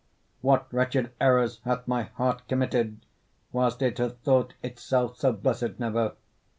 What wretched errors hath my heart committed, Whilst it hath thought itself so blessed never!